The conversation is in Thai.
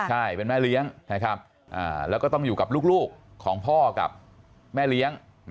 ใช่เป็นแม่เลี้ยงนะครับแล้วก็ต้องอยู่กับลูกของพ่อกับแม่เลี้ยง